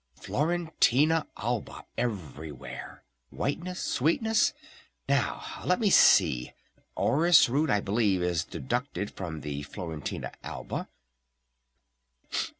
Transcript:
Florentina Alba everywhere! Whiteness! Sweetness! Now let me see, orris root I believe is deducted from the Florentina Alba